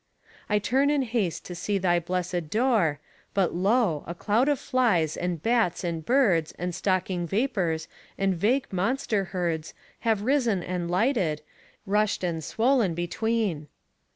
I turn in haste to see thy blessed door, But lo! a cloud of flies and bats and birds, And stalking vapours, and vague monster herds, Have risen and lighted, rushed and swollen between.